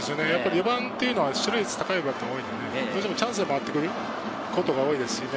４番は出塁率が高いバッターが多いので、チャンスが回ってくることが多いですよね。